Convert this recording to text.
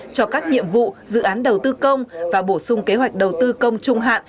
cho các nhiệm vụ dự án đầu tư công và bổ sung kế hoạch đầu tư công trung hạn